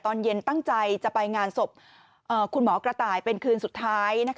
ตอนเย็นตั้งใจจะไปงานศพคุณหมอกระต่ายเป็นคืนสุดท้าย